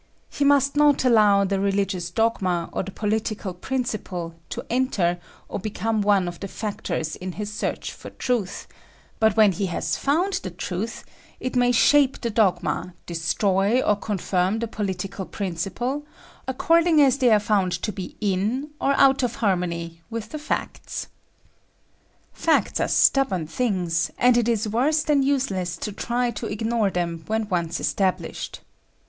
He must not allow the religious dogma or the political principle to enter or become one of the factors in his search for truth, but when he has found the truth it may shape the dogma, destroy or confirm the political principle, according as they are found to be in or out of harmony with the facts. Facts are stubborn things, and it is worse than useless to try to ignore them when once established.